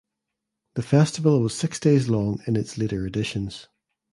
The festival was six days long in its later editions.